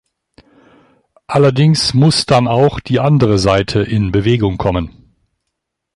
Allerdings muss dann auch die andere Seite in Bewegung kommen.